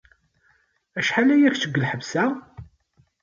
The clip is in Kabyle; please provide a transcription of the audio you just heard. acḥal aya kečč deg lḥebs-a?